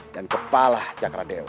dan kepala sakar dewa